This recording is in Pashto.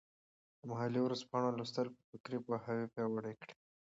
د محلي ورځپاڼو لوستل به فکري پوهاوي پیاوړی کړي.